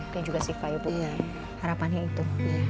dan juga siva ya bu harapannya itu